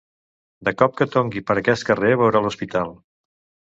De cop que tombi per aquest carrer veurà l'hospital.